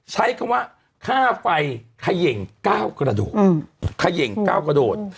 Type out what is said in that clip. ใช้คำว่าค่าไฟเขย่ง๙กระโดดเขย่ง๙กระโดด